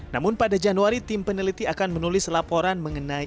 namun pada januari tim peneliti akan menulis laporan mengenai